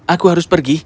aku harus pergi